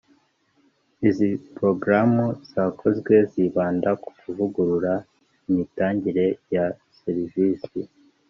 Izi Porogaramu zakozwe zibanda ku kuvugurura imitangire ya serivisi